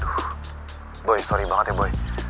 aduh boy sorry banget ya boy